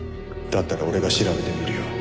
だったら俺が調べてみるよ。